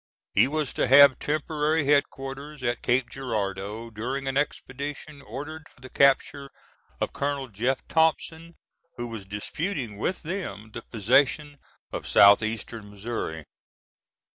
He was to have temporary headquarters at Cape Girardeau during an expedition ordered for the capture of Colonel Jeff Thompson, who was disputing with them the possession of southeastern Missouri.